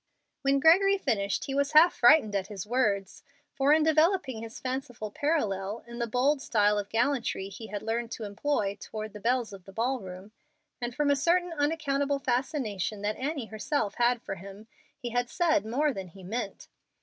When Gregory finished he was half frightened at his words, for in developing his fanciful parallel in the bold style of gallantry he had learned to employ toward the belles of the ball room, and from a certain unaccountable fascination that Annie herself had for him, he had said more than he meant.